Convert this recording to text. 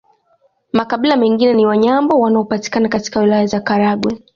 Makabila mengine ni Wanyambo wanaopatikana katika Wilaya za Karagwe